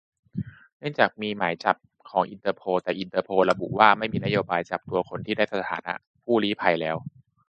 เนื่องจากมีหมายจับของอินเตอร์โพล แต่อินเตอร์โพลระบุว่า ไม่มีนโยบายจับตัวคนที่ได้สถานะผู้ลี้ภัยแล้ว